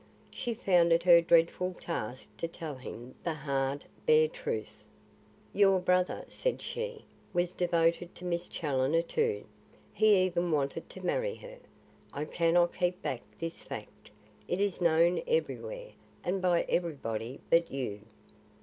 She found it her dreadful task to tell him the hard, bare truth. "Your brother," said she, "was devoted to Miss Challoner, too. He even wanted to marry her. I cannot keep back this fact. It is known everywhere, and by everybody but you."